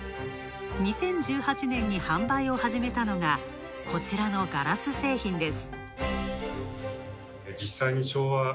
２０１８年に販売を始めたのがこちらのガラス製品です。